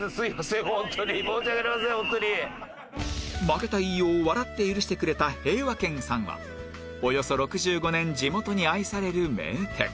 負けた飯尾を笑って許してくれた平和軒さんはおよそ６５年地元に愛される名店